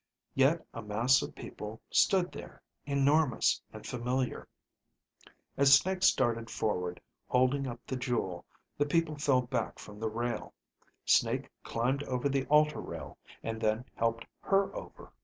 Yet a mass of people stood there, enormous and familiar. As Snake started forward, holding up the jewel, the people fell back from the rail. Snake climbed over the altar rail, and then helped her over.